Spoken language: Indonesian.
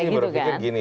saya sih berpikir gini